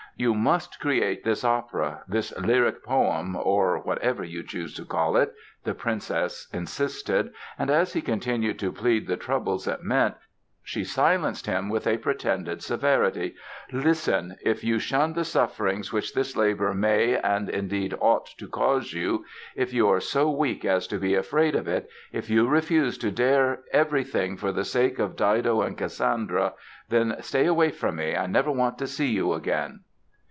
"You must create this opera, this lyric poem or whatever you choose to call it", the Princess insisted, and as he continued to plead the troubles it meant, she silenced him with a pretended severity: "Listen! If you shun the sufferings which this labor may and, indeed, ought to cause you—if you are so weak as to be afraid of it, if you refuse to dare everything for the sake of Dido and Cassandra, then stay away from me, I never want to see you again!"